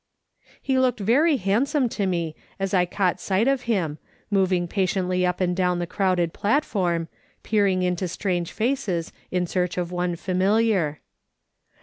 He looked very handsome to me as I caught sight of him, moving patiently up and down tlie crowded platform, peering into strange faces, in search of one familiar.